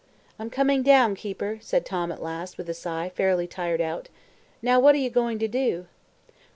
"I'm coming down, keeper," said Tom at last, with a sigh, fairly tired out. "Now what are you going to do?"